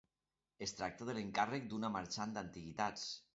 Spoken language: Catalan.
Es tracta de l'encàrrec d'una marxant d'antiguitats.